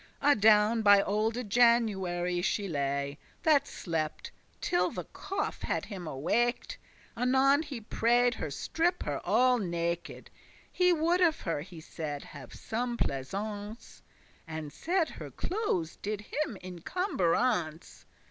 *is thoughtful Adown by olde January she lay, That slepte, till the cough had him awaked: Anon he pray'd her strippe her all naked, He would of her, he said, have some pleasance; And said her clothes did him incumbrance.